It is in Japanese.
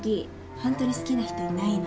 ホントに好きな人いないの？